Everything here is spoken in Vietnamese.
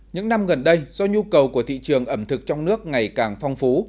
những năm gần đây do nhu cầu của thị trường ẩm thực trong nước ngày càng phong phú